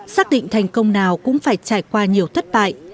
xác định thành công nào cũng phải trải qua nhiều thất bại